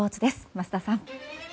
桝田さん。